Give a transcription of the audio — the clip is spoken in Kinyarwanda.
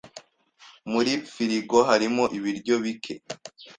Muri firigo harimo ibiryo bike.